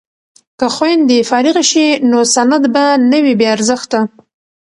که خویندې فارغې شي نو سند به نه وي بې ارزښته.